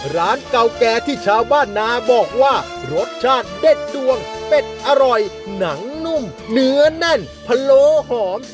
ร้านเก่าแก่ที่ชาวบ้านนาบอกว่ารสชาติเด็ดดวงเป็ดอร่อยหนังนุ่มเนื้อแน่นพะโลหอม